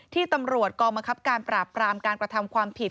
ที่ตำรวจกองบังคับการปราบปรามการกระทำความผิด